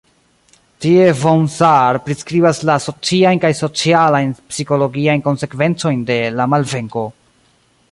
Tie von Saar priskribas la sociajn kaj socialajn-psikologiajn konsekvencojn de la malvenko.